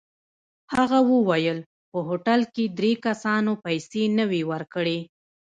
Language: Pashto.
هغه وویل په هوټل کې درې کسانو پیسې نه وې ورکړې.